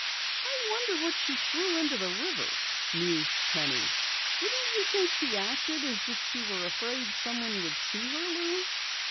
"I wonder what she threw into the river?" mused Penny. "Didn't you think she acted as if she were afraid someone would see her, Lou?"